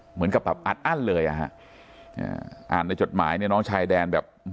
เหมือนกับแบบอัดอั้นเลยอ่ะฮะอ่าอ่านในจดหมายเนี่ยน้องชายแดนแบบ